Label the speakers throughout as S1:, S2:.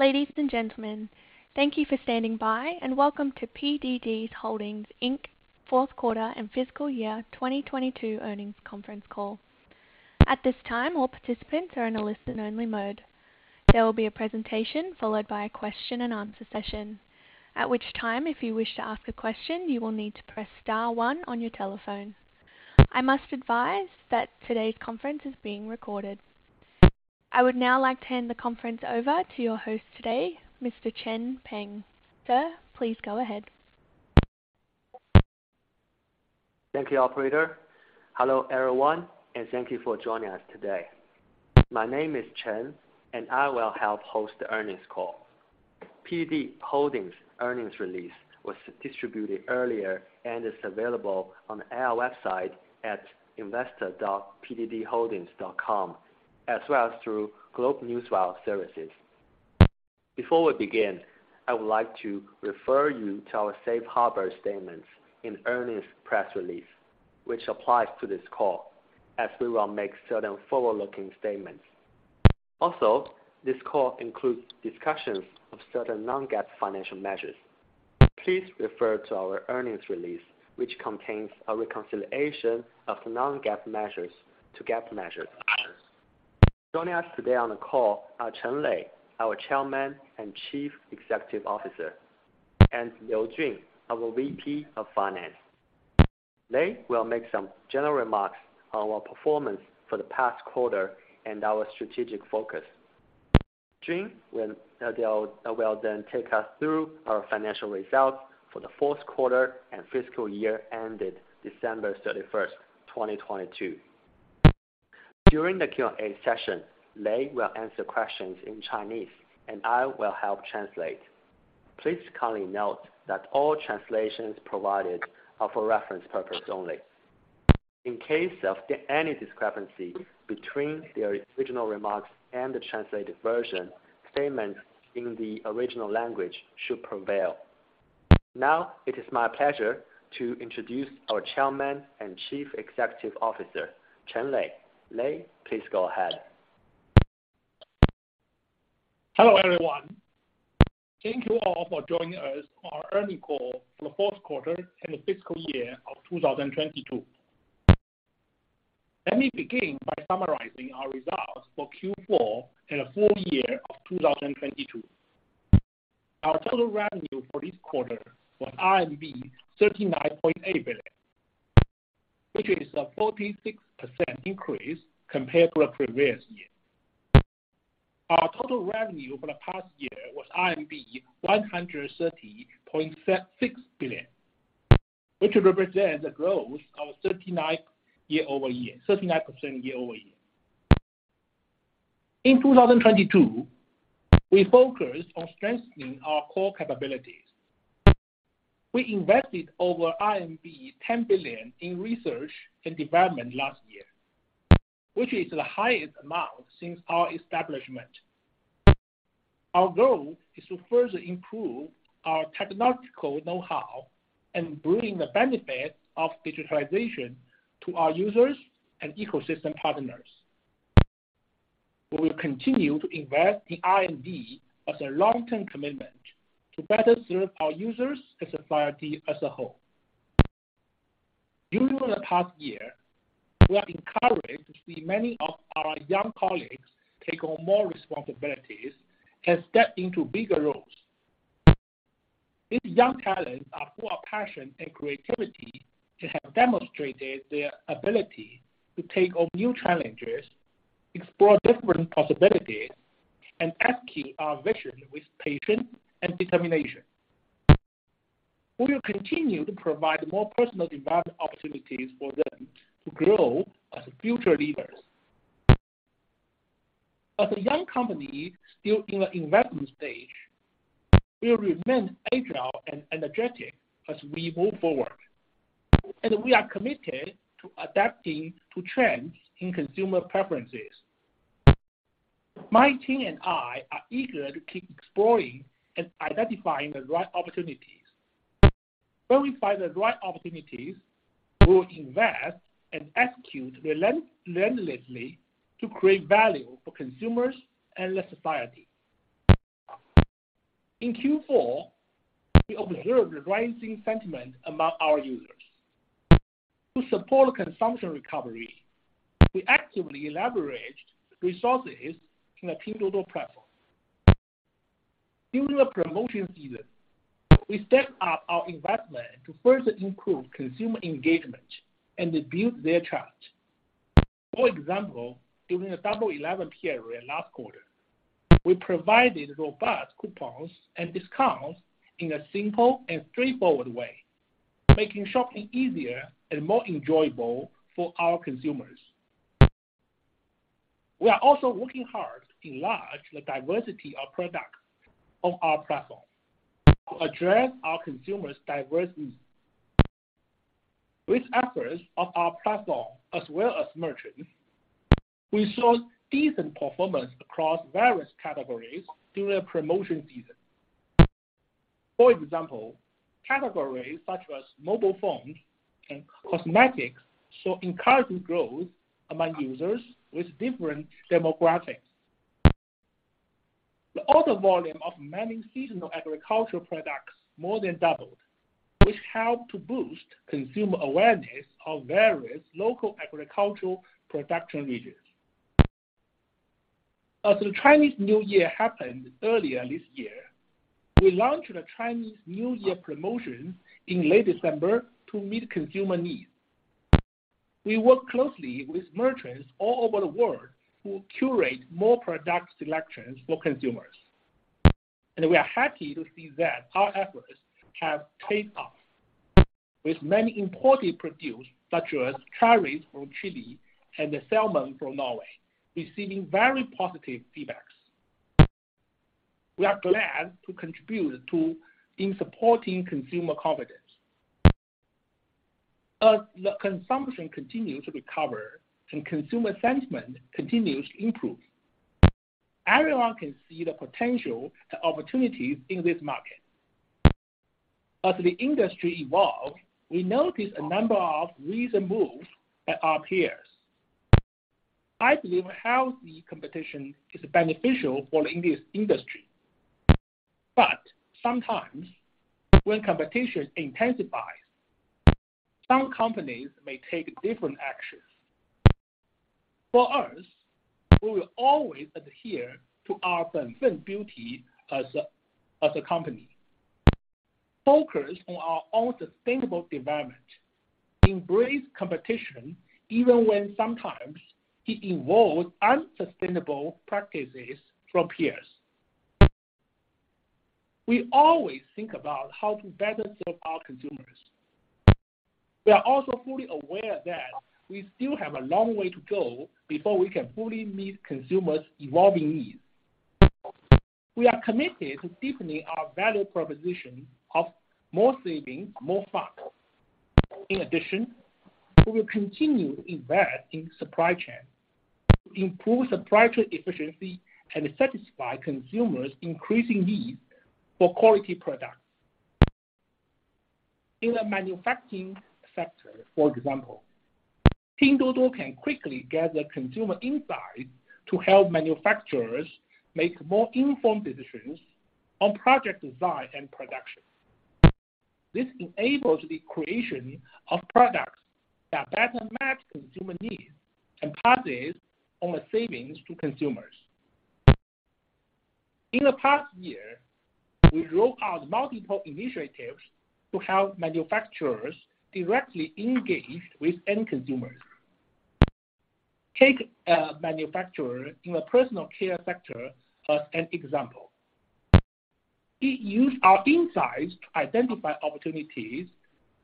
S1: Ladies and gentlemen, thank you for standing by. Welcome to PDD Holdings, Inc. fourth quarter and fiscal year 2022 earnings conference call. At this time, all participants are in a listen-only mode. There will be a presentation followed by a question-and-answer session. At which time, if you wish to ask a question, you will need to press star one on your telephone. I must advise that today's conference is being recorded. I would now like to hand the conference over to your host today, Mr. Cheng Peng. Sir, please go ahead.
S2: Thank you, operator. Hello, everyone, thank you for joining us today. My name is Chen, I will help host the earnings call. PDD Holdings earnings release was distributed earlier and is available on our website at investor.pddholdings.com, as well as through GlobeNewswire services. Before we begin, I would like to refer you to our safe harbor statements in earnings press release, which applies to this call as we will make certain forward-looking statements. This call includes discussions of certain non-GAAP financial measures. Please refer to our earnings release, which contains a reconciliation of non-GAAP measures to GAAP measures. Joining us today on the call are Chen Lei, our Chairman and Chief Executive Officer, and Liu Jun, our VP of Finance. Lei will make some general remarks on our performance for the past quarter and our strategic focus. Jun will... Then take us through our financial results for the fourth quarter and fiscal year ended December 31, 2022. During the Q&A session, Lei will answer questions in Chinese, I will help translate. Please kindly note that all translations provided are for reference purpose only. In case of the any discrepancy between their original remarks and the translated version, statements in the original language should prevail. It is my pleasure to introduce our Chairman and Chief Executive Officer, Chen Lei. Lei, please go ahead.
S3: Hello, everyone. Thank you all for joining us on our earnings call for the fourth quarter and the fiscal year of 2022. Let me begin by summarizing our results for Q4 and the full year of 2022. Our total revenue for this quarter was RMB 39.8 billion, which is a 46% increase compared to the previous year. Our total revenue for the past year was RMB 130.6 billion, which represent a growth of 39% year-over-year. In 2022, we focused on strengthening our core capabilities. We invested over RMB 10 billion in research and development last year, which is the highest amount since our establishment. Our goal is to further improve our technological know-how and bring the benefit of digitalization to our users and ecosystem partners. We will continue to invest in R&D as a long-term commitment to better serve our users and society as a whole. During the past year, we are encouraged to see many of our young colleagues take on more responsibilities and step into bigger roles. These young talents are full of passion and creativity and have demonstrated their ability to take on new challenges, explore different possibilities, and execute our vision with passion and determination. We will continue to provide more personal development opportunities for them to grow as future leaders. As a young company still in the investment stage, we will remain agile and energetic as we move forward, and we are committed to adapting to trends in consumer preferences. My team and I are eager to keep exploring and identifying the right opportunities. When we find the right opportunities, we will invest and execute relentlessly to create value for consumers and the society. In Q4, we observed rising sentiment among our users. To support consumption recovery, we actively leveraged resources in the Pinduoduo platform. During the promotion season, we stepped up our investment to further improve consumer engagement and build their trust. For example, during the Double Eleven period last quarter, we provided robust coupons and discounts in a simple and straightforward way, making shopping easier and more enjoyable for our consumers. We are also working hard to enlarge the diversity of products on our platform to address our consumers' diverse needs. With efforts of our platform as well as merchants, we saw decent performance across various categories during the promotion season. For example, categories such as mobile phones and cosmetics show encouraging growth among users with different demographics. The order volume of many seasonal agricultural products more than doubled, which helped to boost consumer awareness of various local agricultural production regions. As the Chinese New Year happened earlier this year, we launched a Chinese New Year promotion in late December to meet consumer needs. We work closely with merchants all over the world to curate more product selections for consumers, and we are happy to see that our efforts have paid off, with many imported produce such as cherries from Chile and the salmon from Norway receiving very positive feedback. We are glad to contribute to supporting consumer confidence. As the consumption continues to recover and consumer sentiment continues to improve, everyone can see the potential and opportunities in this market. As the industry evolved, we noticed a number of recent moves by our peers. I believe healthy competition is beneficial for this industry. Sometimes when competition intensifies, some companies may take different actions. For us, we will always adhere to our fiduciary duty as a company. Focus on our own sustainable development. Embrace competition, even when sometimes it involves unsustainable practices from peers. We always think about how to better serve our consumers. We are also fully aware that we still have a long way to go before we can fully meet consumers' evolving needs. We are committed to deepening our value proposition of more savings, more fun. We will continue to invest in supply chain to improve supply chain efficiency and satisfy consumers' increasing needs for quality products. In the manufacturing sector, for example, Pinduoduo can quickly gather consumer insights to help manufacturers make more informed decisions on project design and production. This enables the creation of products that better match consumer needs and passes on the savings to consumers. In the past year, we rolled out multiple initiatives to help manufacturers directly engage with end consumers. Take a manufacturer in the personal care sector as an example. He used our insights to identify opportunities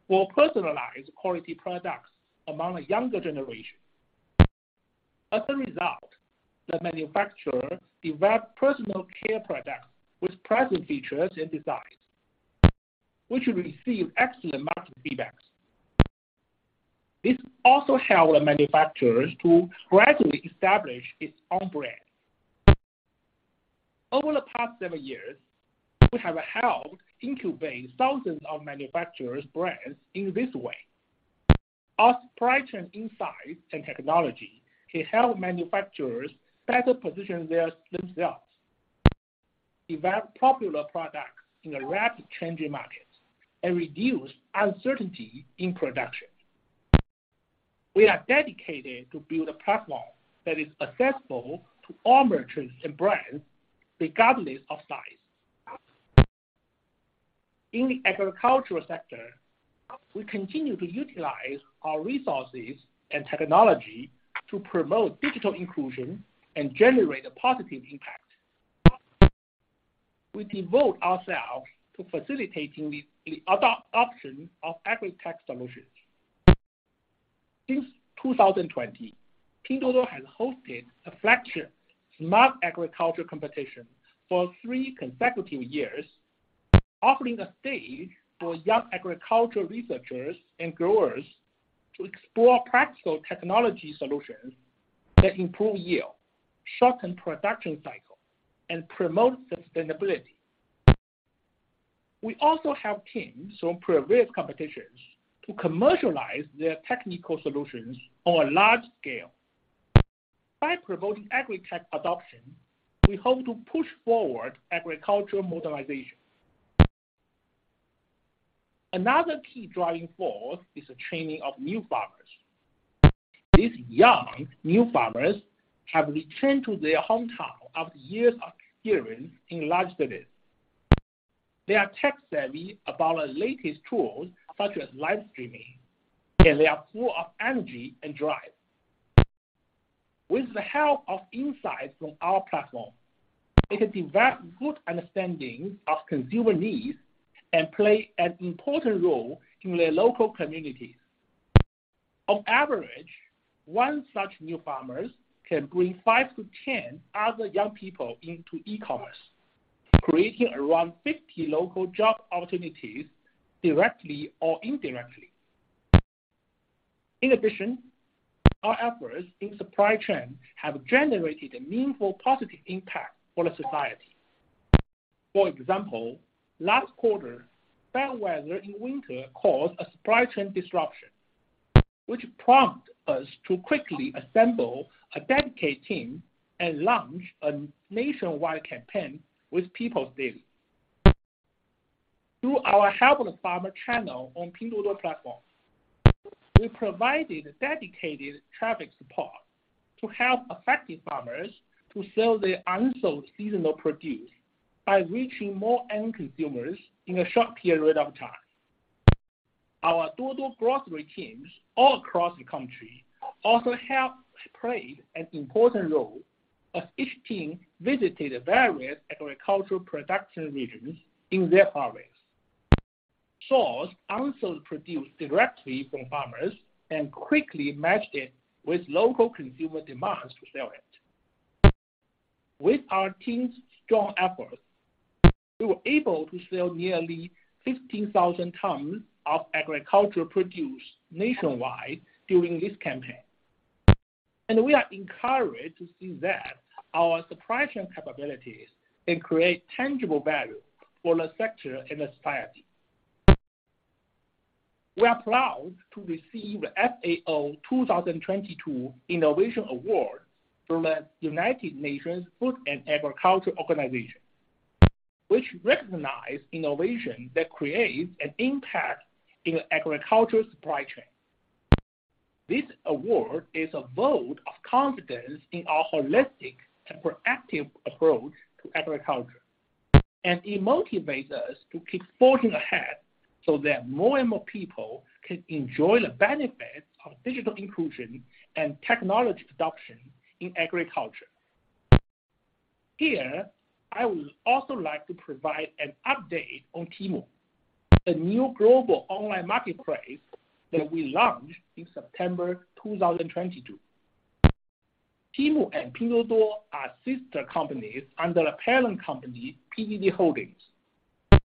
S3: for personalized quality products among the younger generation. As a result, the manufacturer developed personal care products with pleasant features and designs, which received excellent market feedback. This also helped the manufacturers to gradually establish its own brand. Over the past 7 years, we have helped incubate thousands of manufacturers' brands in this way. Our supply chain insights and technology can help manufacturers better position themselves, develop popular products in a rapid changing market, and reduce uncertainty in production. We are dedicated to build a platform that is accessible to all merchants and brands, regardless of size. In the agricultural sector, we continue to utilize our resources and technology to promote digital inclusion and generate a positive impact. We devote ourselves to facilitating the adoption of agri-tech solutions. Since 2020, Pinduoduo has hosted a flagship smart agriculture competition for 3 consecutive years, offering a stage for young agricultural researchers and growers to explore practical technology solutions that improve yield, shorten production cycle, and promote sustainability. We also help teams from previous competitions to commercialize their technical solutions on a large scale. By promoting agri-tech adoption, we hope to push forward agricultural modernization. Another key driving force is the training of new farmers. These young new farmers have returned to their hometown after years of experience in large cities. They are tech-savvy about the latest tools such as live streaming, and they are full of energy and drive. With the help of insights from our platform, they can develop good understanding of consumer needs and play an important role in their local communities. On average, one such new farmers can bring 5-10 other young people into e-commerce, creating around 50 local job opportunities directly or indirectly. Our efforts in supply chain have generated a meaningful positive impact for the society. For example, last quarter, fair weather in winter caused a supply chain disruption, which prompted us to quickly assemble a dedicated team and launch a nationwide campaign with People's Daily. Through our Help the Farmers channel on Pinduoduo platform, we provided dedicated traffic support to help affected farmers to sell their unsold seasonal produce by reaching more end consumers in a short period of time. Our Duo Duo Grocery teams all across the country also helped play an important role as each team visited various agricultural production regions in their province, sourced unsold produce directly from farmers, and quickly matched it with local consumer demands to sell it. With our team's strong efforts, we were able to sell nearly 15,000 tons of agricultural produce nationwide during this campaign. We are encouraged to see that our supply chain capabilities can create tangible value for the sector and the society. We are proud to receive the FAO 2022 Innovation Award from the Food and Agriculture Organization of the United Nations, which recognizes innovation that creates an impact in the agricultural supply chain. This award is a vote of confidence in our holistic and proactive approach to agriculture, and it motivates us to keep forging ahead so that more and more people can enjoy the benefits of digital inclusion and technology production in agriculture. Here, I would also like to provide an update on Temu, the new global online marketplace that we launched in September 2022. Temu and Pinduoduo are sister companies under the parent company, PDD Holdings,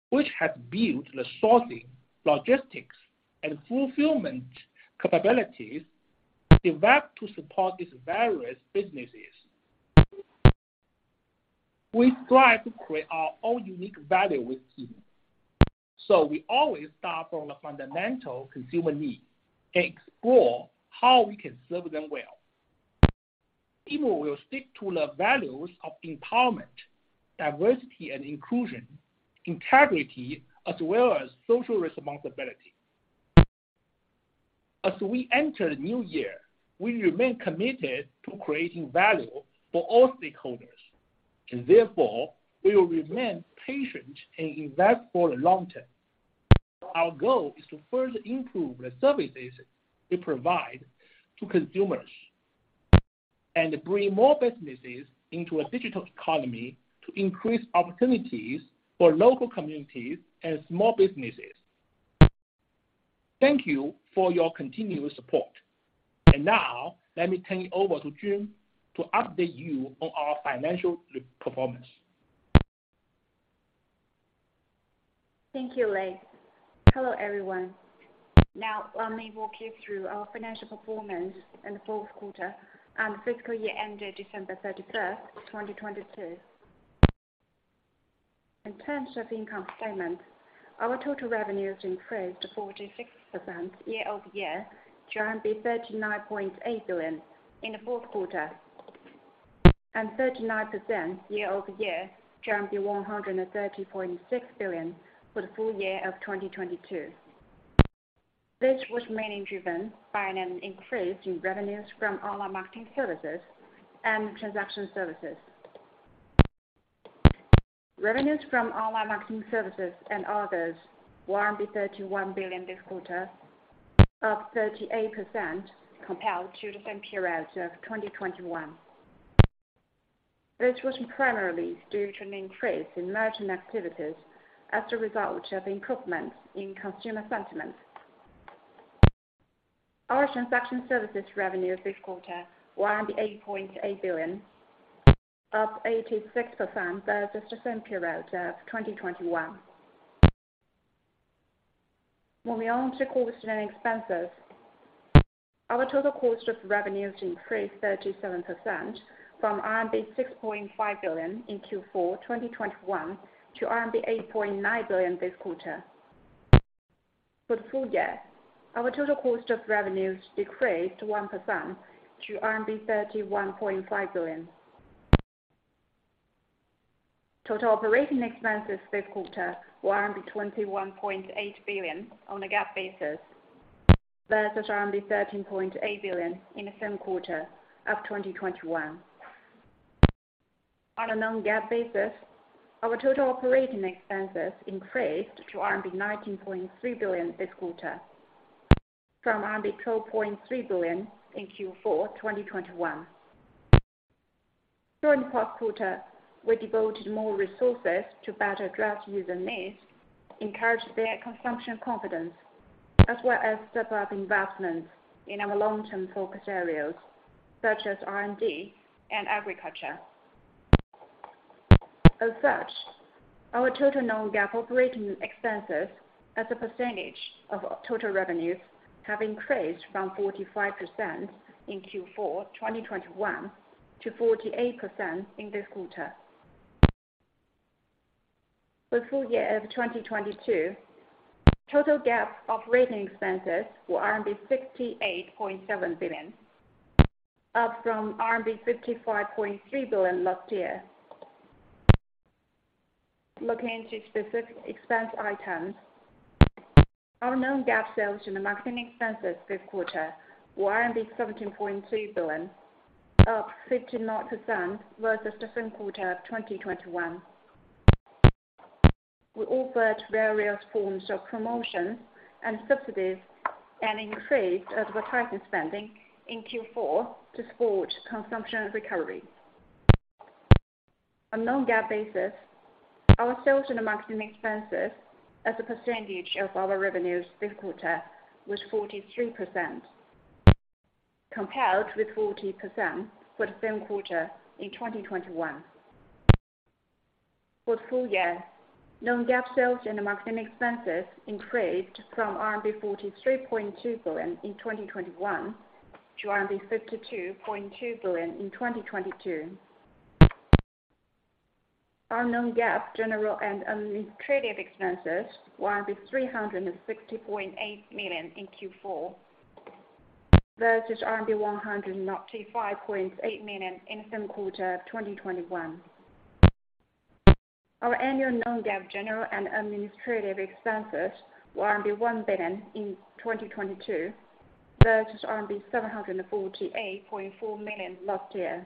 S3: which has built the sourcing, logistics, and fulfillment capabilities developed to support these various businesses. We strive to create our own unique value with Temu, so we always start from the fundamental consumer need and explore how we can serve them well. Temu will stick to the values of empowerment, diversity and inclusion, integrity, as well as social responsibility. As we enter the new year, we remain committed to creating value for all stakeholders, therefore, we will remain patient and invest for the long term. Our goal is to further improve the services we provide to consumers and bring more businesses into a digital economy to increase opportunities for local communities and small businesses. Thank you for your continuous support. Now, let me turn it over to Jun to update you on our financial performance.
S4: Thank you, Lei. Hello, everyone. Let me walk you through our financial performance in the fourth quarter and fiscal year ended December 31st, 2022. In terms of income statement, our total revenues increased 46% year-over-year, 39.8 billion in the fourth quarter, and 39% year-over-year, 130.6 billion for the full year of 2022. This was mainly driven by an increase in revenues from online marketing services and transaction services. Revenues from online marketing services and others were 31 billion this quarter, up 38% compared to the same period of 2021. This was primarily due to an increase in merchant activities as a result of improvements in consumer sentiment. Our transaction services revenues this quarter were 8.8 billion, up 86% versus the same period of 2021. Moving on to cost and expenses. Our total cost of revenues increased 37% from RMB 6.5 billion in Q4 2021 to RMB 8.9 billion this quarter. For the full year, our total cost of revenues decreased 1% to RMB 31.5 billion. Total operating expenses this quarter were 21.8 billion on a GAAP basis, versus 13.8 billion in the same quarter of 2021. On a non-GAAP basis, our total operating expenses increased to RMB 19.3 billion this quarter from RMB 12.3 billion in Q4 2021. During the past quarter, we devoted more resources to better address user needs, encourage their consumption confidence, as well as step up investments in our long-term focus areas, such as R&D and agriculture. Our total non-GAAP operating expenses as a percentage of total revenues have increased from 45% in Q4 2021 to 48% in this quarter. For full year of 2022, total GAAP operating expenses were RMB 68.7 billion, up from RMB 55.3 billion last year. Looking into specific expense items, our non-GAAP sales and marketing expenses this quarter were 17.2 billion, up 59% versus the same quarter of 2021. We offered various forms of promotions and subsidies and increased advertising spending in Q4 to support consumption recovery. On non-GAAP basis, our sales and marketing expenses as a percentage of our revenues this quarter was 43%, compared with 40% for the same quarter in 2021. For the full year, non-GAAP sales and marketing expenses increased from RMB 43.2 billion in 2021 to RMB 52.2 billion in 2022. Our non-GAAP general and administrative expenses were 360.8 million RMB in Q4, versus RMB 195.8 million in the same quarter of 2021. Our annual non-GAAP general and administrative expenses were RMB 1 billion in 2022 versus RMB 748.4 million last year.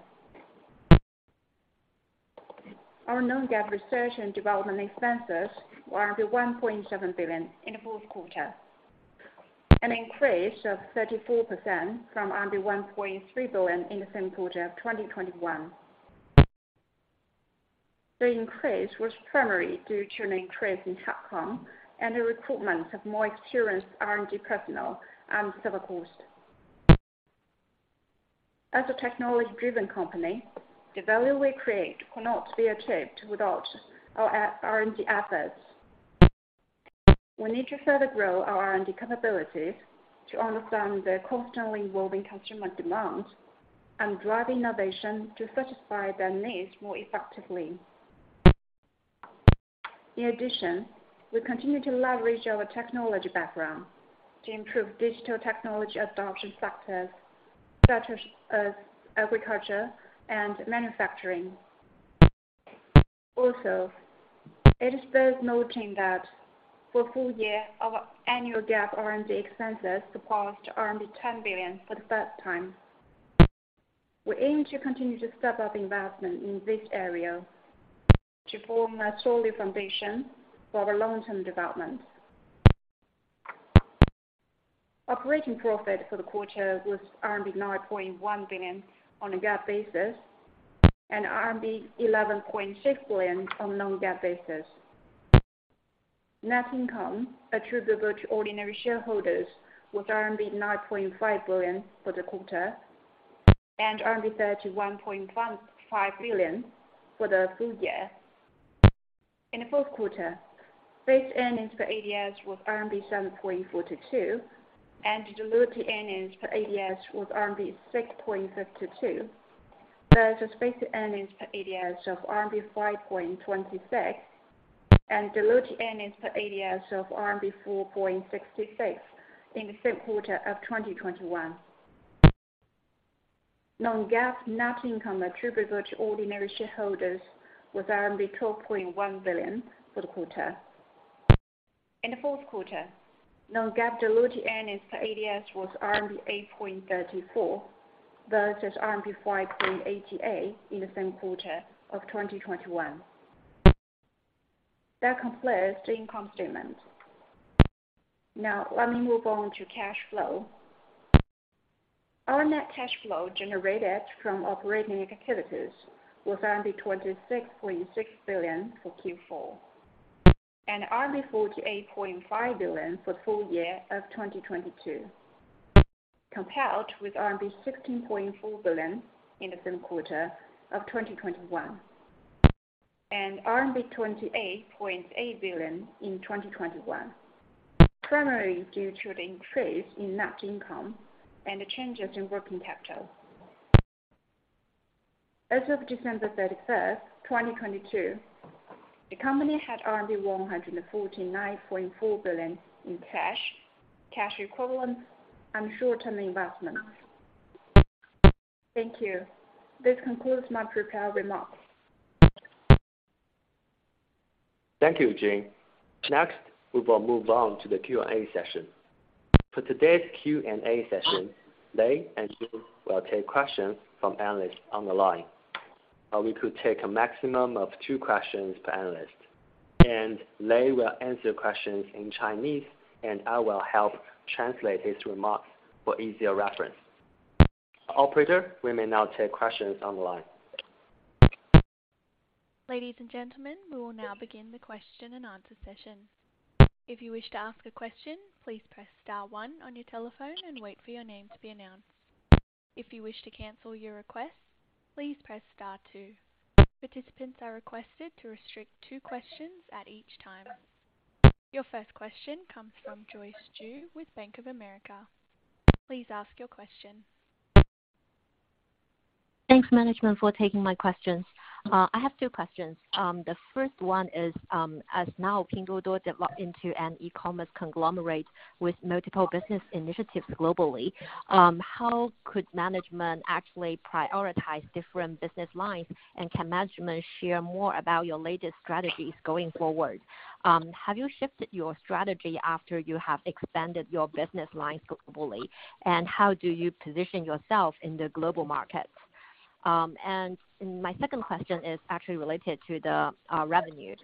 S4: Our non-GAAP research and development expenses were 1.7 billion in the fourth quarter, an increase of 34% from 1.3 billion in the same quarter of 2021. The increase was primarily due to an increase in CapEx and the recruitment of more experienced R&D personnel and several costs. As a technology-driven company, the value we create could not be achieved without our R&D efforts. We need to further grow our R&D capabilities to understand the constantly evolving customer demand and drive innovation to satisfy their needs more effectively. In addition, we continue to leverage our technology background to improve digital technology adoption sectors such as agriculture and manufacturing. It is worth noting that for full year, our annual GAAP R&D expenses surpassed RMB 10 billion for the first time. We aim to continue to step up investment in this area to form a solid foundation for our long-term development. Operating profit for the quarter was RMB 9.1 billion on a GAAP basis and RMB 11.6 billion on non-GAAP basis. Net income attributable to ordinary shareholders was RMB 9.5 billion for the quarter and RMB 31.55 billion for the full year. In the fourth quarter, basic earnings per ADS was RMB 7.42, and diluted earnings per ADS was RMB 6.52. Versus basic earnings per ADS of RMB 5.26 and diluted earnings per ADS of RMB 4.66 in the same quarter of 2021. Non-GAAP net income attributable to ordinary shareholders was 12.1 billion for the quarter. In the fourth quarter, non-GAAP diluted earnings per ADS was RMB 8.34 versus RMB 5.88 in the same quarter of 2021. That concludes the income statement. Let me move on to cash flow. Our net cash flow generated from operating activities was 26.6 billion for Q4 and 48.5 billion for the full year of 2022. Compared with 16.4 billion in the same quarter of 2021 and 28.8 billion in 2021, primarily due to the increase in net income and the changes in working capital. As of December 31st, 2022, the company had 149.4 billion in cash equivalents and short-term investments. Thank you. This concludes my prepared remarks.
S2: Thank you, Jun. Next, we will move on to the Q&A session. For today's Q&A session, Lei and Jun will take questions from analysts on the line. We could take a maximum of two questions per analyst, and Lei will answer questions in Chinese, and I will help translate his remarks for easier reference. Operator, we may now take questions on the line.
S1: Ladies and gentlemen, we will now begin the question and answer session. If you wish to ask a question, please press star one on your telephone and wait for your name to be announced. If you wish to cancel your request, please press star two. Participants are requested to restrict two questions at each time. Your first question comes from Joyce Ju with Bank of America. Please ask your question.
S5: Thanks management for taking my questions. I have two questions. The first one is, as now Pinduoduo develop into an e-commerce conglomerate with multiple business initiatives globally, how could management actually prioritize different business lines? Can management share more about your latest strategies going forward? Have you shifted your strategy after you have expanded your business lines globally? How do you position yourself in the global markets? My second question is actually related to the revenue.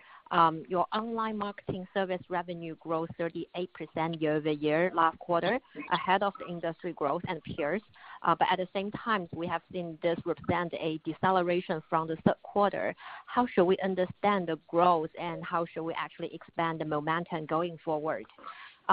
S5: Your online marketing service revenue grew 38% year-over-year last quarter, ahead of the industry growth and peers. At the same time, we have seen this represent a deceleration from the third quarter. How should we understand the growth and how should we actually expand the momentum going forward? 非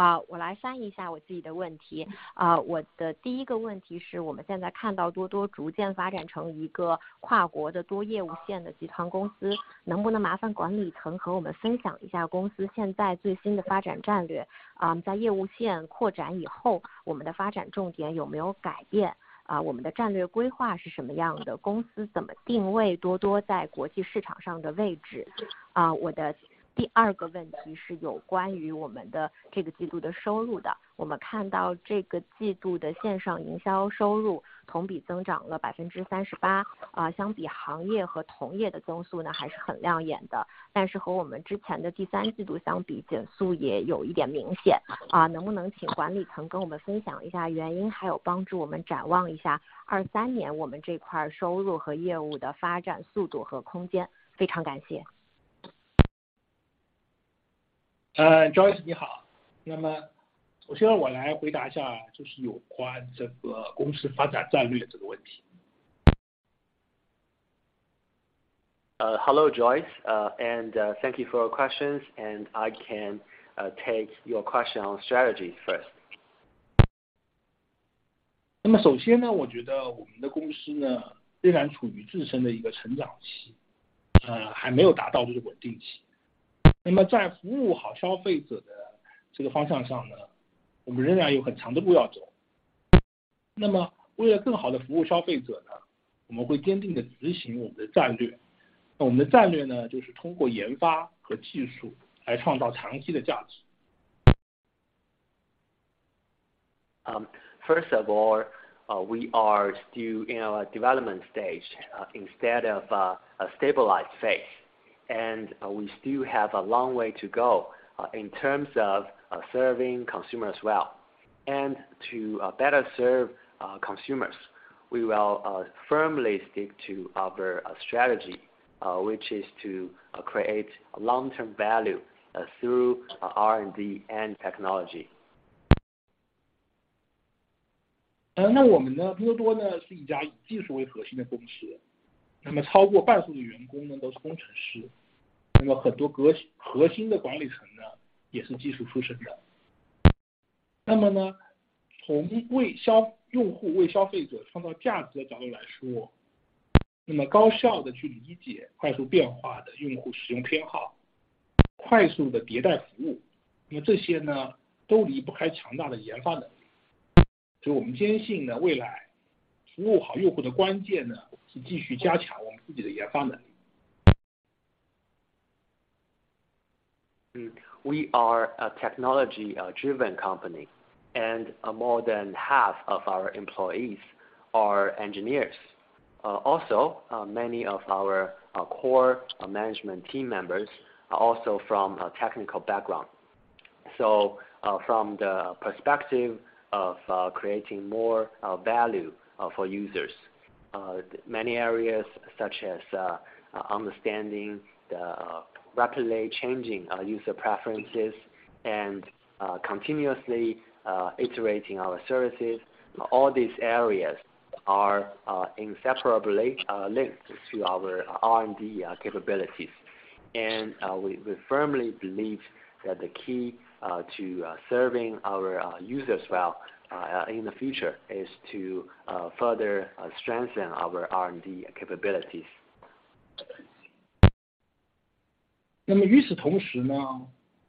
S5: 常感 谢.
S3: 呃 ，Joyce 你好。那么首先我来回答一 下， 就是有关这个公司发展战略这个问题。
S2: Hello, Joyce. Thank you for your questions. I can take your question on strategy first.
S3: 首先 呢, 我觉得我们的公司 呢, 仍然处于自身的一个成长 期, 还没有达到这个稳定 期. 在服务好消费者的这个方向上 呢, 我们仍然有很长的路要 走. 为了更好地服务消费者 呢, 我们会坚定地执行我们的战 略, 我们的战略 呢, 就是通过研发和技术来创造长期的价 值.
S2: First of all, we are still in our development stage, instead of a stabilized phase. We still have a long way to go, in terms of serving consumers well. To better serve consumers, we will firmly stick to our strategy, which is to create long-term value through R&D and technology.
S3: 呃， 那我们 呢， 多多 呢， 是一家以技术为核心的公司，那么超过半数的员工 呢， 都是工程 师， 那么很多核-核心的管理层 呢， 也是技术出身的。那么 呢， 从为销--用 户， 为消费者创造价值的角度来 说， 那么高效地去理解快速变化的用户使用偏 好， 快速地迭代服 务， 那么这些 呢， 都离不开强大的研发能力。所以我们坚信 呢， 未来服务好用户的关键 呢， 是继续加强我们自己的研发能力。
S2: We are a technology-driven company. More than half of our employees are engineers. Also, many of our core management team members are also from a technical background. From the perspective of creating more value for users, many areas such as understanding the rapidly changing user preferences and continuously iterating our services. All these areas are inseparably linked to our R&D capabilities. We firmly believe that the key to serving our users well in the future is to further strengthen our R&D capabilities.
S3: 那么与此同时 呢，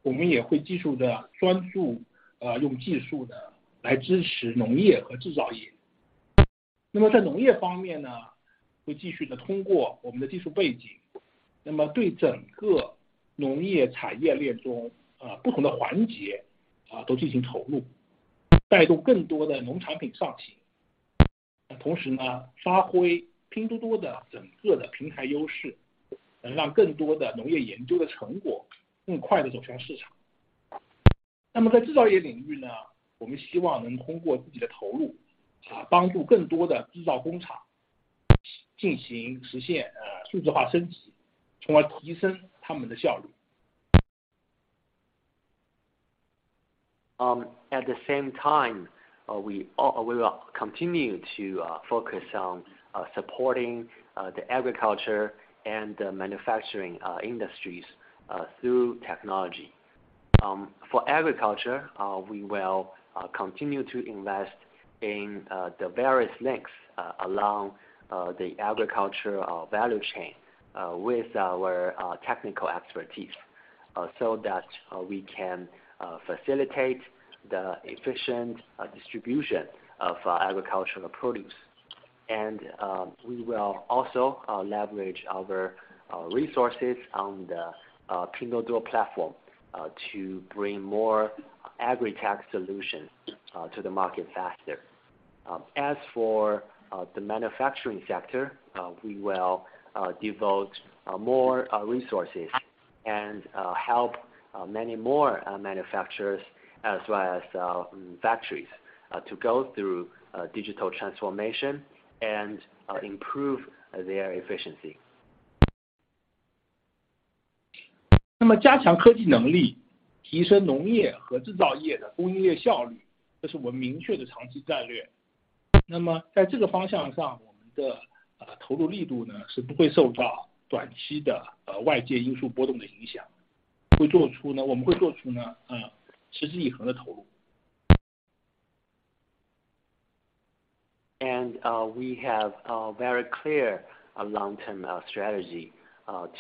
S3: 我们也会继续地专 注， 呃， 用技术呢来支持农业和制造业。那么在农业方面 呢， 会继续地通过我们的技术背 景， 那么对整个农业产业链 中， 呃， 不同的环 节， 啊， 都进行投 入， 带动更多的农产品上行。同时 呢， 发挥拼多多的整个的平台优 势， 让更多的农业研究的成果更快地走向市场。那么在制造业领域 呢， 我们希望能通过自己的投 入， 啊， 帮助更多的制造工厂进行实 现， 呃， 数字化升 级， 从而提升他们的效率。
S2: At the same time, we will continue to focus on supporting the agriculture and manufacturing industries through technology. For agriculture, we will continue to invest in the various links along the agricultural value chain with our technical expertise so that we can facilitate the efficient distribution of agricultural produce. We will also leverage our resources on the Pinduoduo platform to bring more agri-tech solutions to the market faster. As for the manufacturing sector, we will devote more resources and help many more manufacturers as well as factories to go through digital transformation and improve their efficiency.
S3: 加强科技能 力， 提升农业和制造业的供应链效 率， 这是我们明确的长期战略。在这个方向 上， 我们的投入力度 呢， 是不会受到短期的外界因素波动的影响。我们会做出 呢， 持之以恒的投入。
S2: We have a very clear long-term strategy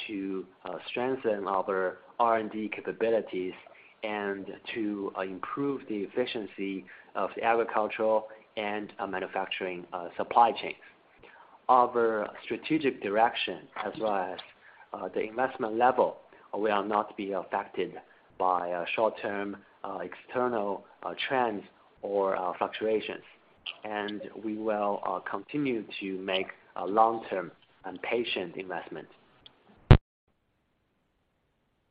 S2: to strengthen our R&D capabilities and to improve the efficiency of the agricultural and manufacturing supply chains. Our strategic direction, as well as, the investment level, will not be affected by short-term external trends or fluctuations. We will continue to make a long-term and patient investment.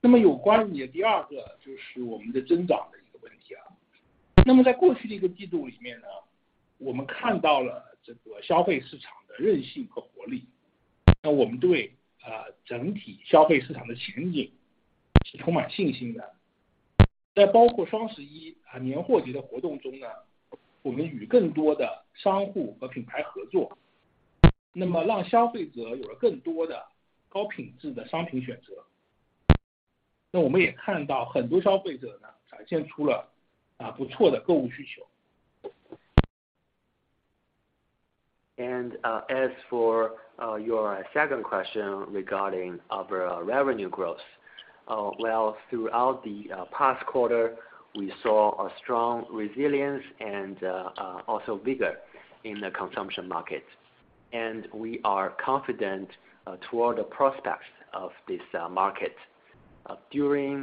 S3: 有关你的第二 个， 就是我们的增长的一个问题。在过去的一个季度里面 呢， 我们看到了这个消费市场的韧性和活 力， 我们对整体消费市场的前景是充满信心的。在包括 Double Eleven 和 Chinese New Year 的活动中 呢， 我们与更多的商户和品牌合 作， 让消费者有了更多的高品质的商品选择。我们也看到很多消费者 呢， 展现出了不错的购物需求。
S2: As for your second question regarding our revenue growth. Well, throughout the past quarter, we saw a strong resilience and also vigor in the consumption market. We are confident toward the prospects of this market. During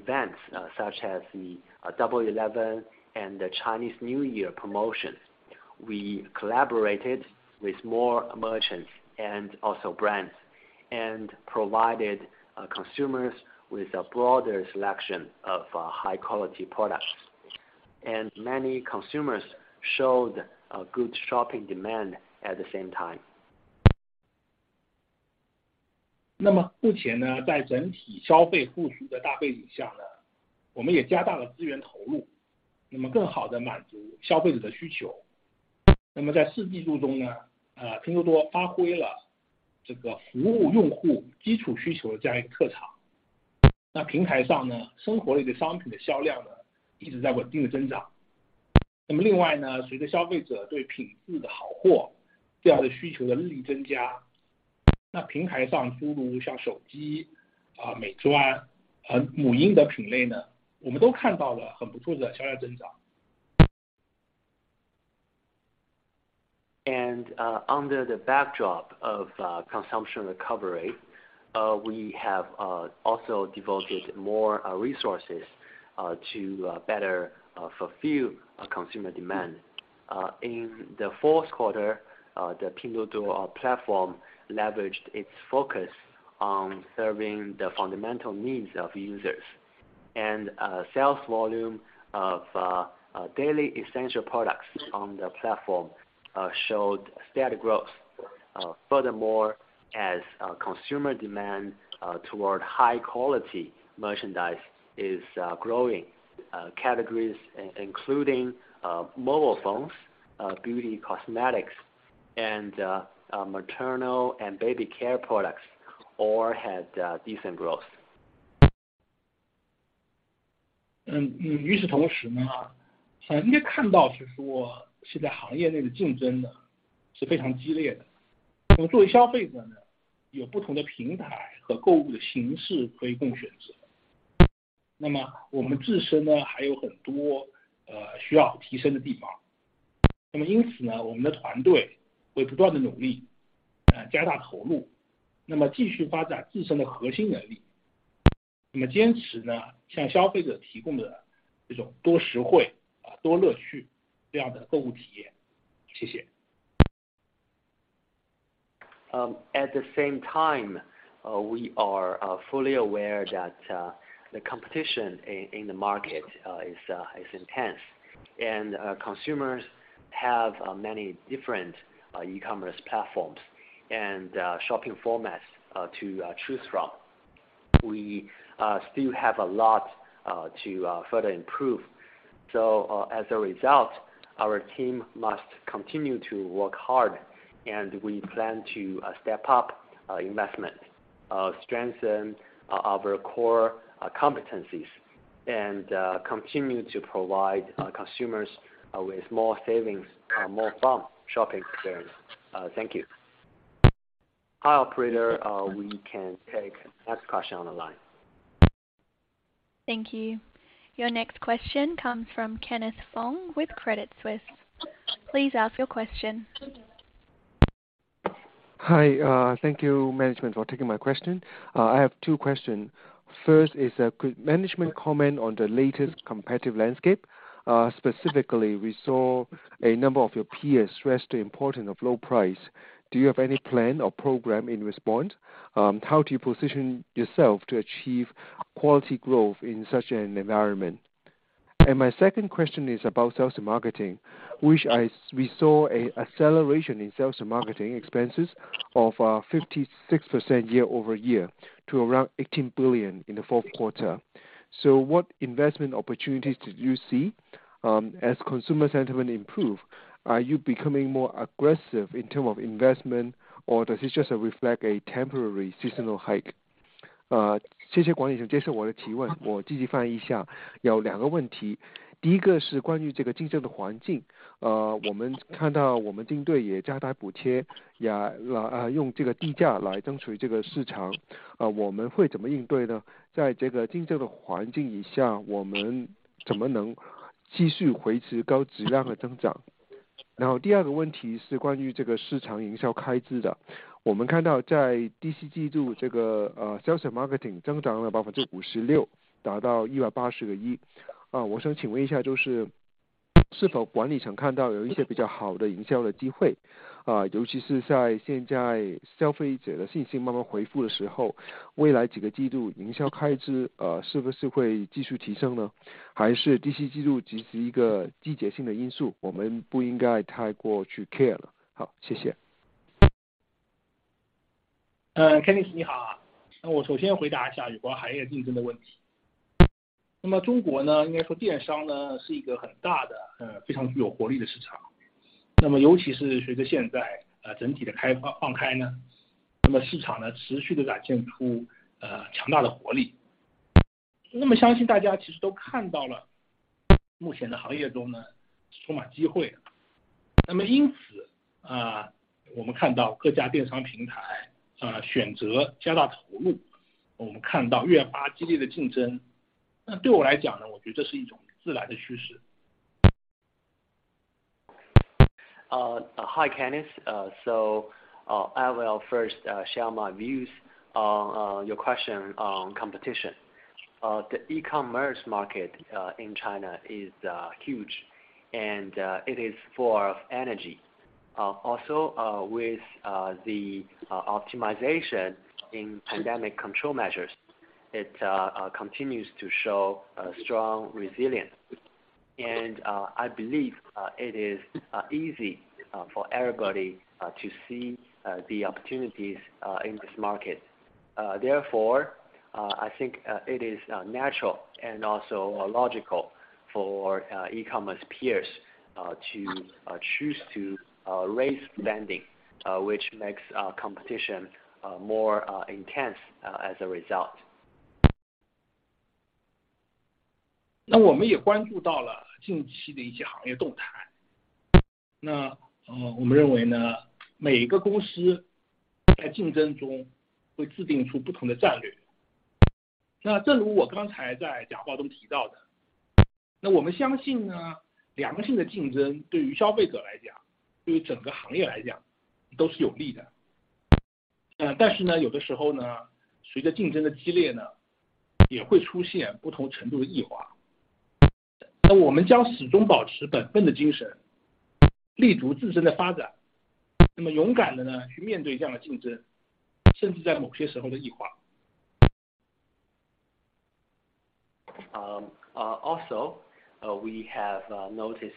S2: events such as the Double Eleven and the Chinese New Year promotions, we collaborated with more merchants and also brands, and provided consumers with a broader selection of high-quality products. Many consumers showed a good shopping demand at the same time.
S3: 目 前， 在整体消费复苏的大背景 下， 我们也加大了资源投 入， 那么更好地满足消费者的需求。在四季度 中， Pinduoduo 发挥了这个服务用户基础需求的这样一个特 长， 平台 上， 生活类的商品的销 量， 一直在稳定地增长。另 外， 随着消费者对品质的好货这样的需求的能力增 加， 平台上诸如像手 机， 美妆和母婴的品 类， 我们都看到了很不错的销量增长。
S2: Under the backdrop of consumption recovery, we have also devoted more resources to better fulfill consumer demand. In the fourth quarter, the Pinduoduo platform leveraged its focus on serving the fundamental needs of users. Sales volume of daily essential products on the platform showed steady growth. As consumer demand toward high quality merchandise is growing, categories including mobile phones, beauty cosmetics and maternal and baby care products all had decent growth.
S3: 与此同时 呢， 也看到其实我是在行业内的竞争 呢， 是非常激烈 的. 作为消费者 呢， 有不同的平台和购物的形式可以供选 择. 我们自身 呢， 还有很多需要提升的地 方. 因此 呢， 我们的团队会不断地努 力， 加大投 入， 那么继续发展自身的核心能 力， 那么坚持 呢， 向消费者提供的一种多实 惠， 多乐趣这样的购物体 验. 谢 谢.
S2: At the same time, we are fully aware that the competition in the market is intense, and consumers have many different e-commerce platforms and shopping formats to choose from. We still have a lot to further improve. As a result, our team must continue to work hard and we plan to step up our investment, strengthen our core competencies, and continue to provide consumers with more savings, more fun shopping experience. Thank you. Hi, operator. We can take next question on the line.
S1: Thank you. Your next question comes from Kenneth Fong with Credit Suisse. Please ask your question.
S6: Hi. Thank you, management, for taking my question. I have two questions. First is could management comment on the latest competitive landscape? Specifically, we saw a number of your peers stressed the importance of low price. Do you have any plan or program in response? How do you position yourself to achieve quality growth in such an environment? My second question is about sales and marketing, which we saw an acceleration in sales and marketing expenses of 56% year-over-year to around 18 billion in the fourth quarter. What investment opportunities did you see as consumer sentiment improved? Are you becoming more aggressive in term of investment, or does this just reflect a temporary seasonal hike?
S3: Kenneth, 你好。我首先回答一下有关行业竞争的问题。中国 呢, 应该说电商 呢, 是一个很大 的, 非常具有活力的市场。尤其是随着现 在, 整体的开放放开 呢, 市场 呢, 持续地展现出强大的活力。相信大家其实都看到 了, 目前的行业中 呢, 充满机会。因 此, 我们看到各家电商平台选择加大投 入, 我们看到越发激烈的竞争。对我来讲 呢, 我觉得这是一种自然的趋势。
S2: Hi, Kenneth. I will first share my views on your question on competition. The e-commerce market in China is huge and it is full of energy. Also, with the optimization in pandemic control measures, it continues to show a strong resilience. I believe, it is easy for everybody to see the opportunities in this market. I think, it is natural and also logical for e-commerce peers to choose to raise spending, which makes our competition more intense as a result.
S3: 我们也关注到了近期的一些行业动 态. 我们认为 呢， 每个公司在竞争中会制定出不同的战 略. 正如我刚才在讲话中提到 的， 我们相信 呢， 良性的竞争对于消费者来 讲， 对于整个行业来讲都是有利 的. 有的时候 呢， 随着竞争的激烈 呢， 也会出现不同程度的异 化. 我们将始终保持本分的精 神， 立足自身的发 展， 勇敢地 呢， 去面对这样的竞 争， 甚至在某些时候的异 化.
S2: Also, we have noticed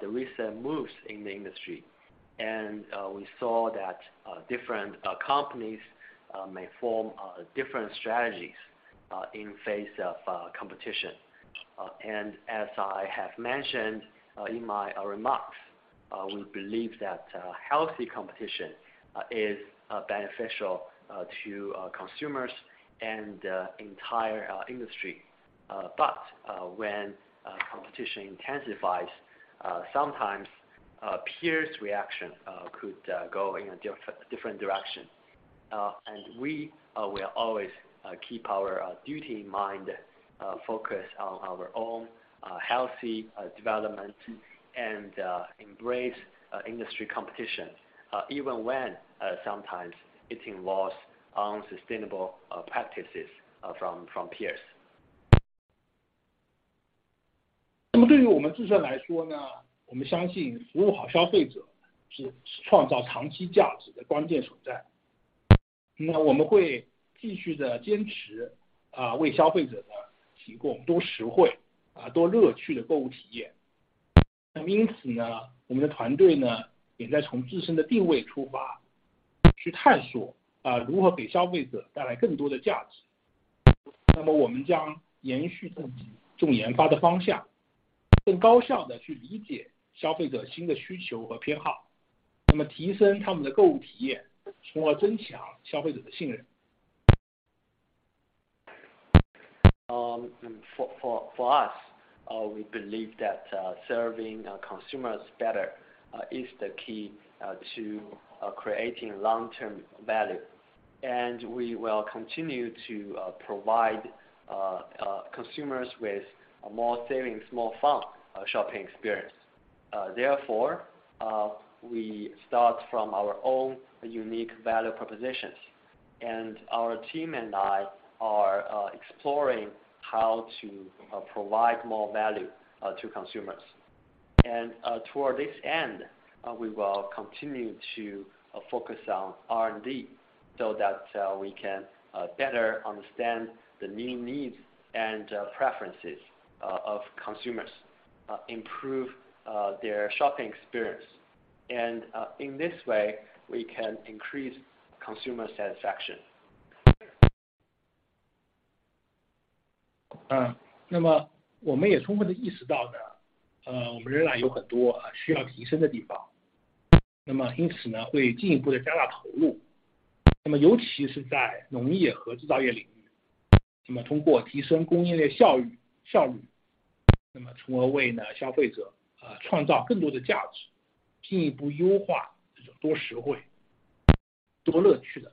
S2: the recent moves in the industry, and we saw that different companies may form different strategies in face of competition. As I have mentioned in my remarks, we believe that healthy competition is beneficial to consumers and entire industry. When competition intensifies, sometimes peers reaction could go in a different direction. We will always keep our duty in mind, focus on our own healthy development and embrace industry competition, even when sometimes it involves unsustainable practices from peers.
S3: 那么对于我们自身来说 呢， 我们相信服务好消费者是创造长期价值的关键所在。那我们会继续地坚 持， 啊， 为消费者 呢， 提供多实 惠， 啊， 多乐趣的购物体验。因此 呢， 我们的团队 呢， 也在从自身的定位出 发， 去探索 啊， 如何给消费者带来更多的价值。那么我们将延续 重， 重研发的方 向， 更高效地去理解消费者新的需求和偏 好， 那么提升他们的购物体 验， 从而增强消费者的信任。
S2: For us, we believe that serving our consumers better is the key to creating long-term value. We will continue to provide consumers with a more savings, more fun shopping experience. Therefore, we start from our own unique value propositions. Our team and I are exploring how to provide more value to consumers. Toward this end, we will continue to focus on R&D so that we can better understand the new needs and preferences of consumers, improve their shopping experience. In this way, we can increase consumer satisfaction.
S3: 啊， 那么我们也充分地意识到 呢， 呃， 我们仍然有很多需要提升的地方。那么因此 呢， 会进一步地加大投 入， 那么尤其是在农业和制造业领 域， 那么通过提升供应链效 率， 效 率， 那么从而为呢消费者 呃， 创造更多的价 值， 进一步优化这种多实惠、多乐趣的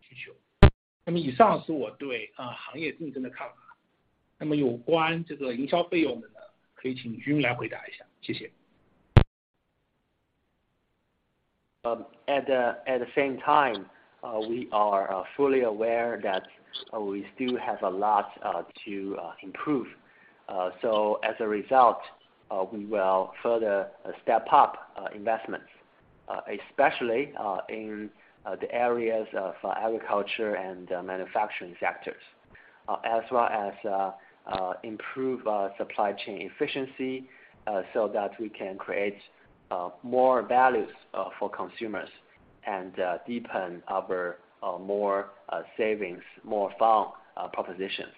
S3: 需求。那么以上是我对啊行业竞争的看法。那么有关这个营销费用的 呢， 可以请 Jun 来回答一 下， 谢谢。
S2: At the same time, we are fully aware that we still have a lot to improve. As a result, we will further step up investments, especially in the areas of agriculture and manufacturing sectors, as well as improve our supply chain efficiency, so that we can create more values for consumers and deepen our more savings, more fun propositions.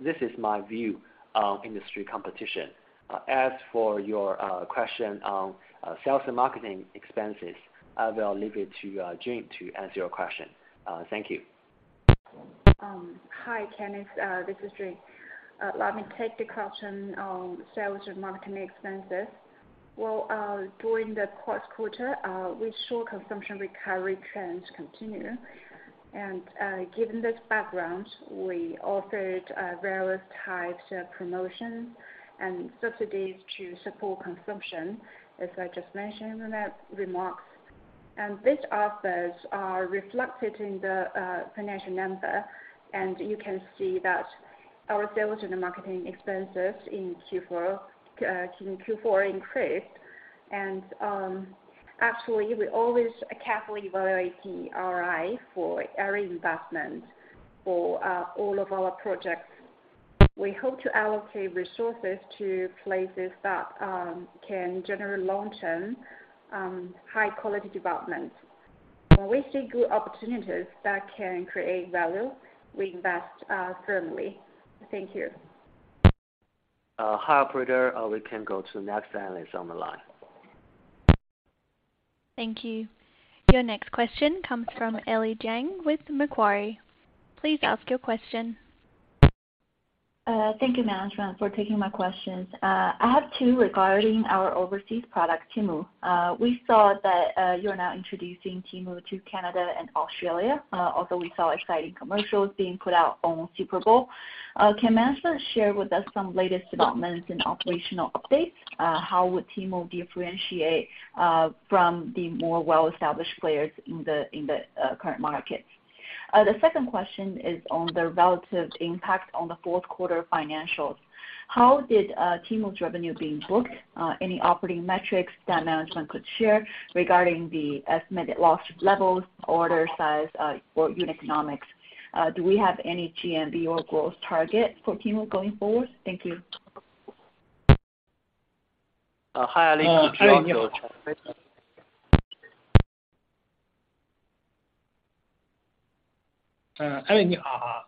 S2: This is my view on industry competition. As for your question on sales and marketing expenses, I will leave it to Jun to answer your question. Thank you.
S4: Hi, Kenneth. This is Jun. Let me take the question on sales and marketing expenses. Well, during the past quarter, we saw consumption recovery trends continue. Given this background, we offered various types of promotions and subsidies to support consumption, as I just mentioned in my remarks. These offers are reflected in the financial number. You can see that our sales and marketing expenses in Q4 increased. Actually, we always carefully evaluating ROI for every investment for all of our projects. We hope to allocate resources to places that can generate long-term, high quality development. When we see good opportunities that can create value, we invest firmly. Thank you.
S2: Hi, operator. We can go to next analyst on the line.
S1: Thank you. Your next question comes from Ellie Jiang with Macquarie. Please ask your question.
S7: Thank you management for taking my 2 questions. I have 2 regarding our overseas product, Temu. We saw that you're now introducing Temu to Canada and Australia. We saw exciting commercials being put out on Super Bowl. Can management share with us some latest developments and operational updates? How would Temu differentiate from the more well-established players in the current market? The second question is on the relative impact on the fourth quarter financials. How did Temu's revenue being booked, any operating metrics that management could share regarding the estimated loss levels, order size, or unit economics? Do we have any GMV or growth target for Temu going forward? Thank you.
S2: Hi, Ellie. Jun, you can take this.
S3: 嗯， Ellie 你好啊。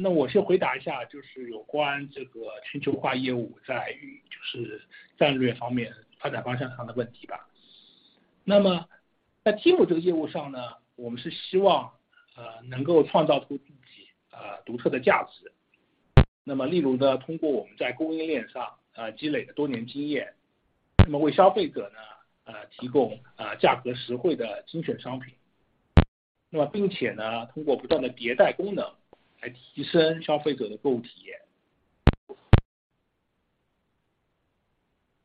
S3: 那我就回答一 下， 就是有关这个全球化业务在与就是战略方面发展方向上的问题吧。那么在 Temu 这个业务上 呢， 我们是希望 呃， 能够创造出自己 呃， 独特的价值。那么例如 呢， 通过我们在供应链上 呃， 积累的多年经 验， 那么为消费者呢 呃， 提供 呃， 价格实惠的精选商品。那么并且 呢， 通过不断的迭代功能来提升消费者的购物体验。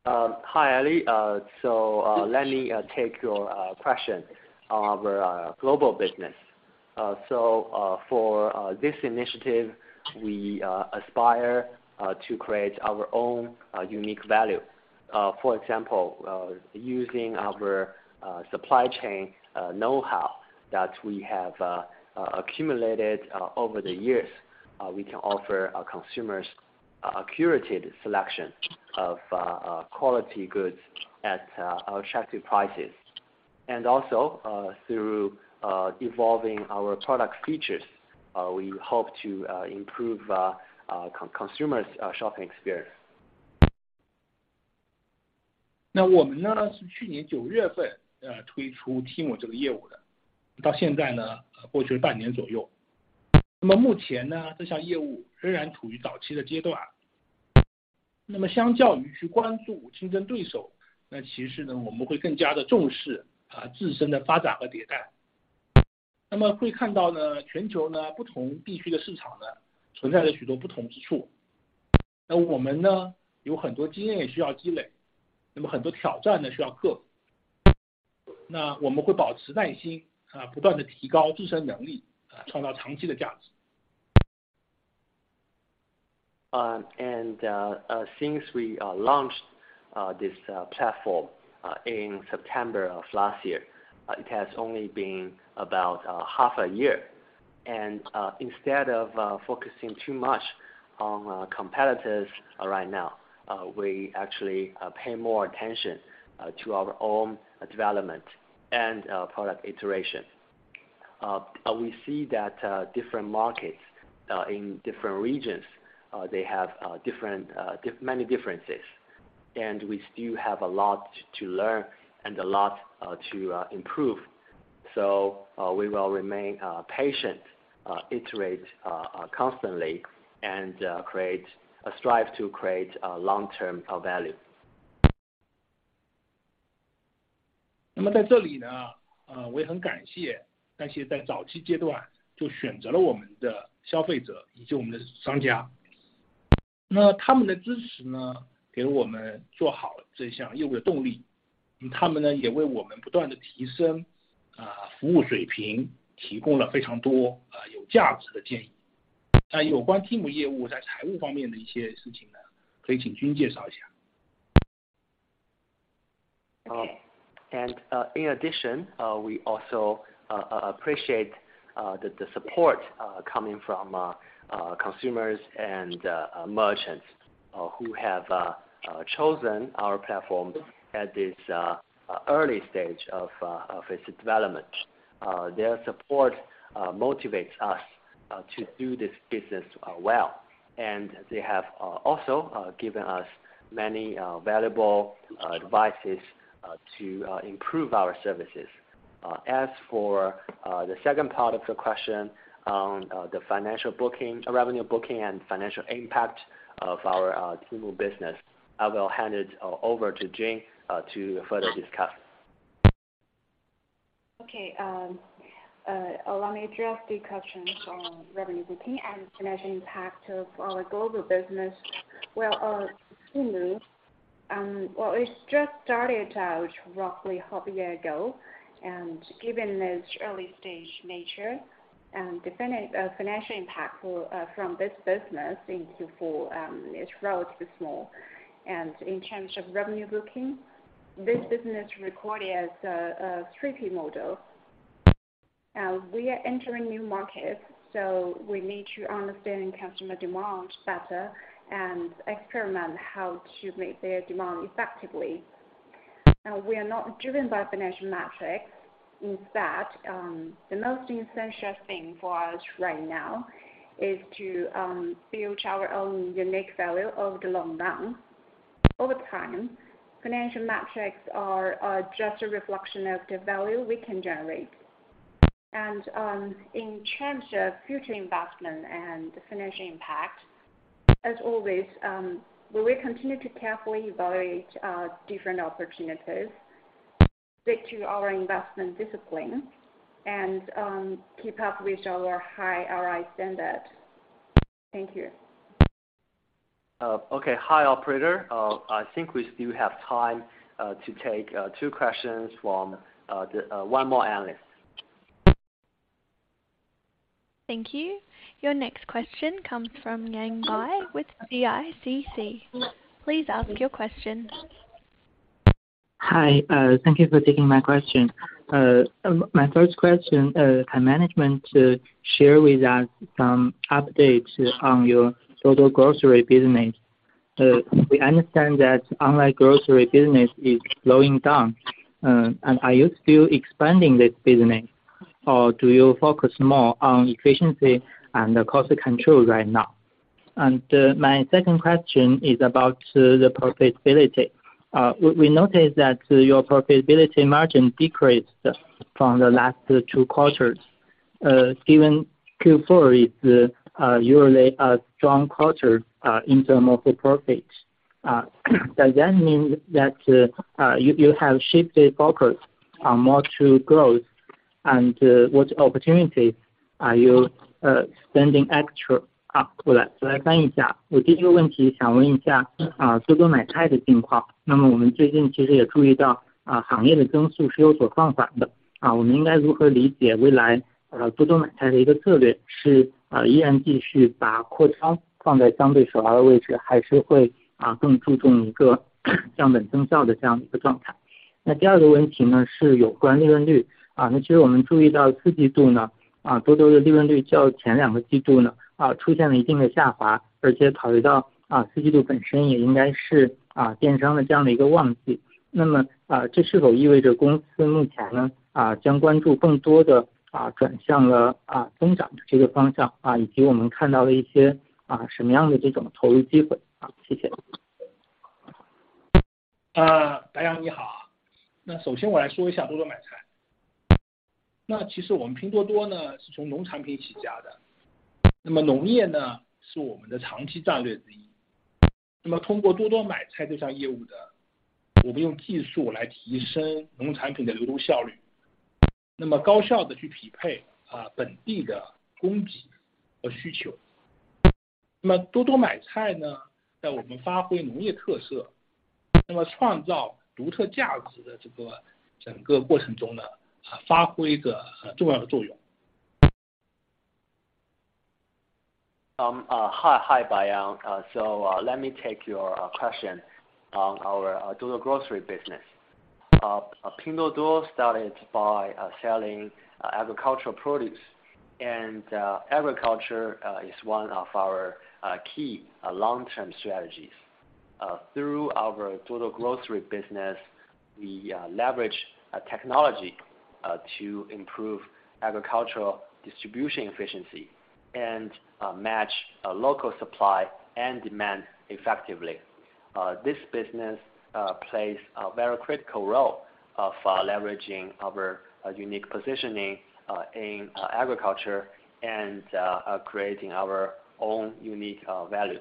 S2: Hi, Ellie. Let me take your question on our global business. For this initiative, we aspire to create our own unique value. For example, using our supply chain know-how that we have accumulated over the years, we can offer our consumers a curated selection of quality goods at attractive prices. Also, through evolving our product features, we hope to improve consumer's shopping experience. Since we launched this platform in September of last year, it has only been about half a year. Instead of focusing too much on competitors right now, we actually pay more attention to our own development and product iteration. We see that different markets in different regions, they have many differences. We still have a lot to learn and a lot to improve. We will remain patient, iterate constantly, and strive to create a long-term value. In addition, we also appreciate the support coming from consumers and merchants who have chosen our platform at this early stage of its development. Their support motivates us to do this business well. They have also given us many valuable advices to improve our services. As for the second part of the question on the financial revenue booking and financial impact of our Temu business, I will hand it over to Jun to further discuss.
S4: Okay. Well, allow me address the question on revenue booking and financial impact of our global business. Well, Temu, well, it's just started out roughly half year ago, and given its early stage nature and financial impact for from this business in Q4, is relatively small. In terms of revenue booking, this business recorded as a three-pay model. We are entering new markets, so we need to understanding customer demand better and experiment how to meet their demand effectively. We are not driven by financial metrics. In fact, the most essential thing for us right now is to build our own unique value over the long run. Over time, financial metrics are just a reflection of the value we can generate. In terms of future investment and the financial impact, as always, we will continue to carefully evaluate, different opportunities back to our investment discipline and, keep up with our high ROI standard. Thank you.
S2: Okay. Hi, operator, I think we still have time to take 2 questions from the 1 more analyst.
S1: Thank you. Your next question comes from Yang Bai with CICC. Please ask your question.
S8: Hi. Thank you for taking my question. My first question, can management share with us some updates on your total grocery business? We understand that online grocery business is slowing down. And are you still expanding this business or do you focus more on efficiency and cost control right now? My second question is about the profitability. We noticed that your profitability margin decreased from the last two quarters. Given Q4 is usually a strong quarter in terms of the profits. Does that mean that you have shifted focus more to growth? And what opportunities are you spending extra- 那第二个问题 呢， 是有关利润率。啊， 那其实我们注意到四季度 呢， 啊， 多多的利润率较前两个季度 呢， 啊， 出现了一定的下 滑， 而且考虑 到， 啊， 四季度本身也应该是 啊， 电商的这样的一个旺季。那 么， 啊， 这是否意味着公司目前 呢， 啊， 将关注更多 地， 啊， 转向 了， 啊， 增长的这个方 向， 啊以及我们看到的一 些， 啊， 什么样的这种投资机 会？ 啊， 谢谢。
S3: Yang Bai 你好。首先我来说一下 Duo Duo Grocery。其实我们 Pinduoduo 呢， 是从农产品起家 的， 那么农业呢是我们的长期战略之一。通过 Duo Duo Grocery 这项业务 的， 我们用技术来提升农产品的流通 效率， 那么高效地去匹配本地的供给和需求。Duo Duo Grocery 呢， 在我们发挥农业 特色， 那么创造独特价值的这个整个过程中 呢， 发挥一个很重要的作用。
S2: Hi Yang Bai. Let me take your question on our Duo Duo Grocery business. Pinduoduo started by selling agricultural produce and agriculture is one of our key long-term strategies. Through our Duo Duo Grocery business, we leverage technology to improve agricultural distribution efficiency and match local supply and demand effectively. This business plays a very critical role of leveraging our unique positioning in agriculture and creating our own unique value.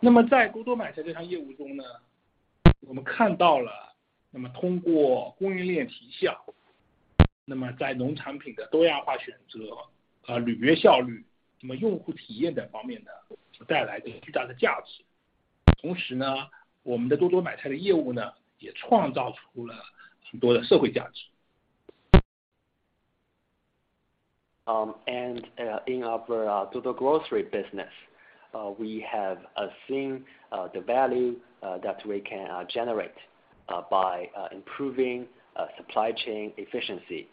S3: 那么在多多买菜这项业务中呢，我们看到了那么通过供应链提 效， 那么在农产品的多样化选择和履约效 率， 那么用户体验等方面 呢， 带来的巨大的价值。同时 呢， 我们的多多买菜的业务 呢， 也创造出了很多的社会价值。
S2: In our Duo Duo Grocery business, we have seen the value that we can generate by improving supply chain efficiency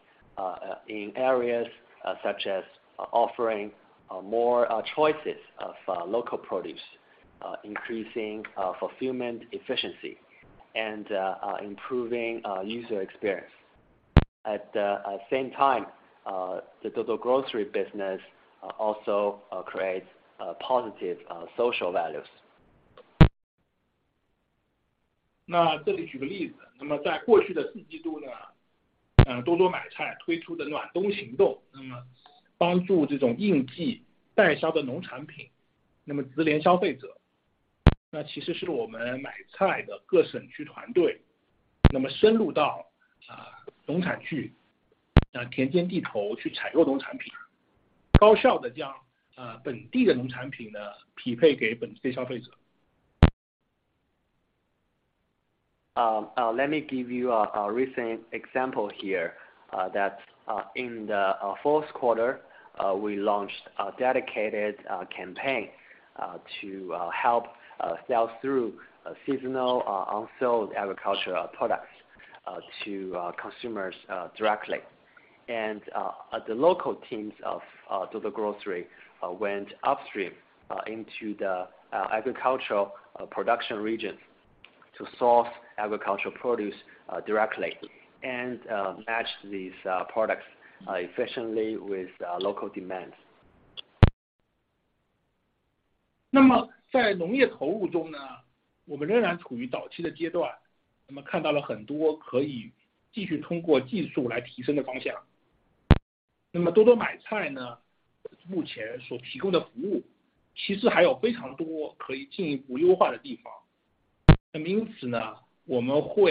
S2: in areas such as offering more choices of local produce, increasing fulfillment efficiency and improving user experience. At the same time, the Duo Duo Grocery business also creates positive social values.
S3: 那这里举个例 子， 那么在过去的四季度 呢， 多多买菜推出的暖冬行 动， 那么帮助这种应季滞销的农产 品， 那么直连消费 者， 那其实是我们买菜的各省区团队那么深入 到， 啊， 产 区， 田间地头去采购农产 品， 高效地 将， 呃， 本地的农产品呢匹配给本地消费者。
S2: let me give you a recent example here that in the fourth quarter we launched a dedicated campaign to help sell through seasonal unsold agricultural products to consumers directly. The local teams of Duo Duo Grocery went upstream into the agricultural production regions to source agricultural produce directly and match these products efficiently with local demands.
S3: 那么在农业投入中 呢， 我们仍然处于早期的阶 段， 那么看到了很多可以继续通过技术来提升的方向。那么多多买菜 呢， 目前所提供的服务其实还有非常多可以进一步优化的地方。因此 呢， 我们 会， 进行长期的投 入， 那么去创造更多的消费者价值。谢谢。
S2: We are still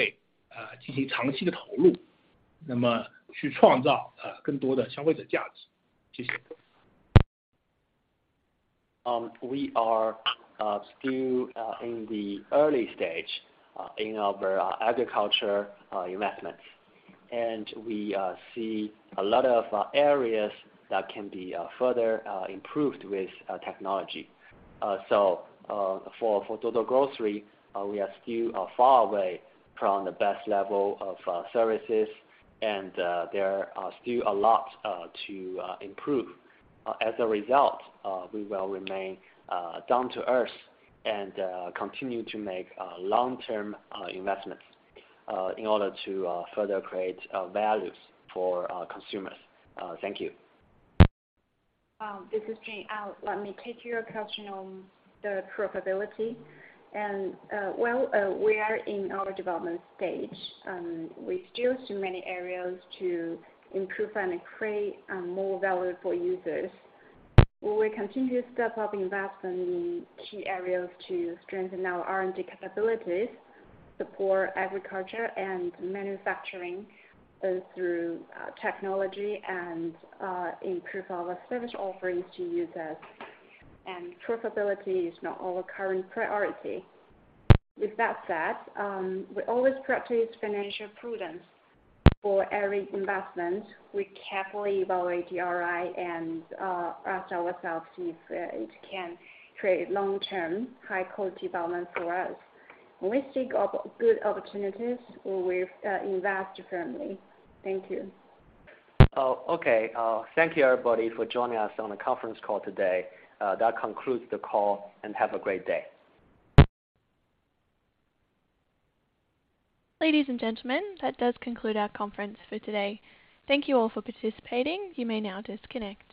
S2: in the early stage in our agriculture investments. We see a lot of areas that can be further improved with technology. For Duo Duo Grocery, we are still far away from the best level of services and there are still a lot to improve. As a result, we will remain down to earth and continue to make long term investments in order to further create values for our consumers. Thank you.
S4: This is Jun. Let me take your question on the profitability. Well, we are in our development stage and we still have many areas to improve and create more value for users. We will continue to step up investment in key areas to strengthen our R&D capabilities, support agriculture and manufacturing both through technology and improve our service offerings to users. Profitability is not our current priority. With that said, we always practice financial prudence for every investment. We carefully evaluate ROI and ask ourselves if it can create long-term high quality development for us. When we seek good opportunities, we will invest firmly. Thank you.
S2: Okay, thank you everybody for joining us on the conference call today. That concludes the call and have a great day.
S1: Ladies and gentlemen, that does conclude our conference for today. Thank you all for participating. You may now disconnect.